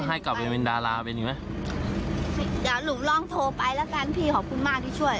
หนูลองโทรไปแล้วกันพี่ขอบคุณมากพี่ช่วย